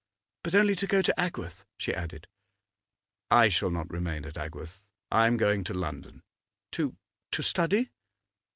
'But only to go to Agworth?' she added. 'I shall not remain at Agworth. I am going to London.' 'To to study?